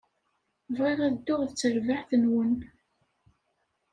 Bɣiɣ ad dduɣ d terbaɛt-nwen.